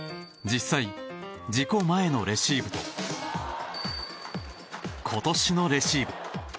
実際、事故前のレシーブと今年のレシーブ。